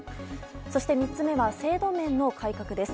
そして３つ目は制度面の改革です。